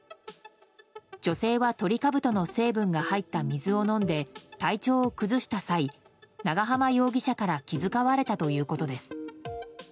女性はトリカブトの成分が入った水を飲んで体調を崩した際、長浜容疑者から気遣われたということです。